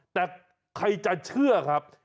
แต่ใครจะเชื่อครับ